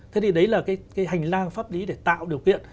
thế thì đấy là cái hành lang pháp lý để tạo điều kiện